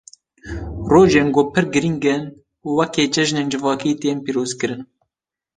Rojên ku pir girîng in, weke cejinên civakî tên pîrozkirin.